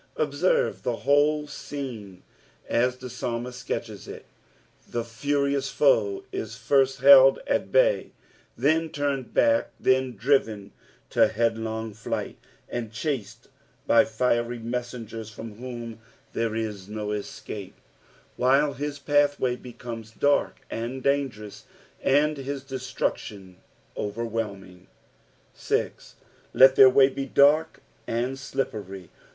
Observe the whole scene as tho psalmist sketches it : the furious foe is first held at bay, then turned back, then driven to headlong flight, and chased by fiery messengers from whom there is no escape, while his pathway becomes dark and dangerous, and his destruction overwhelming. 0. " Let their uay he dark and tlippery.